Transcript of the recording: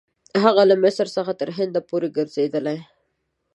هغه له مصر څخه تر هند پورې ګرځېدلی.